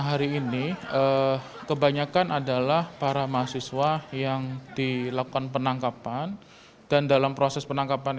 hari ini kebanyakan adalah para mahasiswa yang dilakukan penangkapan dan dalam proses penangkapan